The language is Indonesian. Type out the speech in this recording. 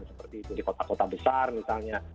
seperti itu di kota kota besar misalnya